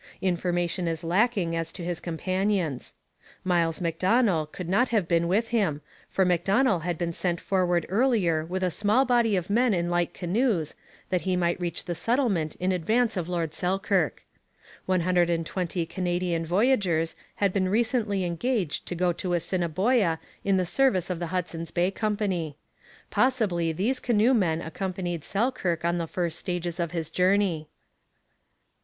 Information is lacking as to his companions. Miles Macdonell could not have been with him, for Macdonell had been sent forward earlier with a small body of men in light canoes that he might reach the settlement in advance of Lord Selkirk. One hundred and twenty Canadian voyageurs had been recently engaged to go to Assiniboia in the service of the Hudson's Bay Company. Possibly these canoemen accompanied Selkirk on the first stages of his journey.